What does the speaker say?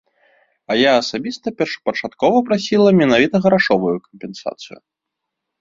А я асабіста першапачаткова прасіла менавіта грашовую кампенсацыю.